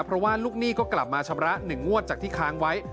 เพราะว่าลูกหนี้ก็กลับมาชำระ๑งวดจากที่ค้างไว้